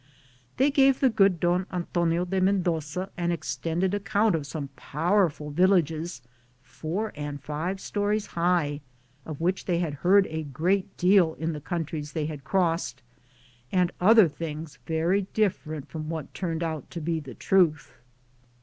They gave the good Don An tonio de Mendoza an extended account of some powerful villages, four and five stories high, of which they had heard a great deal in the countries they had crossed, and other things very different from what turned out to be the truth.